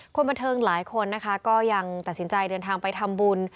คนบันเทิงหลายคนนะคะก็ยังตัดสินใจเดินทางไปทำบุญ